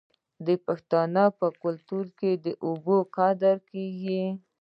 د پښتنو په کلتور کې د اوبو قدر کیږي.